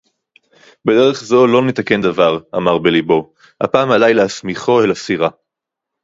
בְּדֶרֶךְ זוֹ לֹא נְתַקֵּן דָּבָר, אָמַר בְּלִיבּוֹ. הַפַּעַם עָלַיי לְהַסְמִיכוֹ אֶל הַסִּירָה.